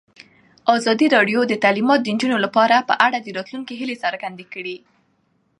ازادي راډیو د تعلیمات د نجونو لپاره په اړه د راتلونکي هیلې څرګندې کړې.